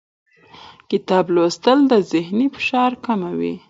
کتاب لوستل د ذهني فشار کموي